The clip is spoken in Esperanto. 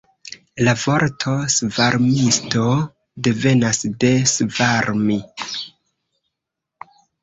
La vorto svarmisto devenas de svarmi.